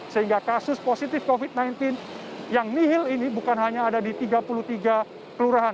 sehingga kasus positif covid sembilan belas yang nihil ini bukan hanya ada di tiga puluh tiga kelurahan